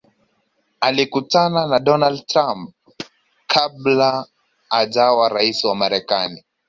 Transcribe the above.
alikutana na donald trump kabla hajawa raisi wa marekani